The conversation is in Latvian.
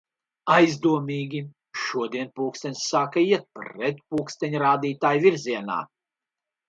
Aizdomīgi... Šodien pulkstens sāka iet pretpulksteņrādītājvirzienā!